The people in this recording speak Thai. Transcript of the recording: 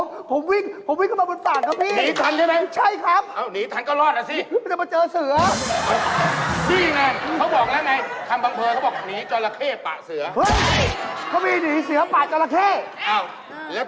มึงต้องเจอไอ้เข้ก่อนทำไมแล้ว